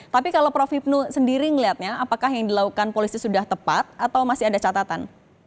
tapi kalau prof hipnu sendiri melihatnya apakah yang dilakukan polisi sudah tepat atau masih ada catatan